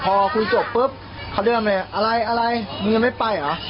พอคุยจบปุ๊บเขาเริ่มเลยอะไรอะไรมึงยังไม่ไปเหรอ